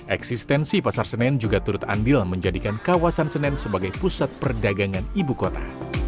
eksistensi pasar senen juga turut andil menjadikan kawasan senen sebagai pusat perdagangan ibu kota